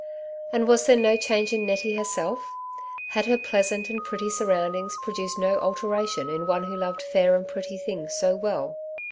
And was there no change in Nettie herself? Had her pleasant and pretty surroundings produced no alteration in one who loved fair and pretty things so well